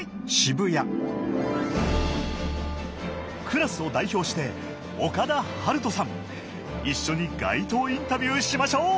クラスを代表して岡田遥人さん一緒に街頭インタビューしましょう！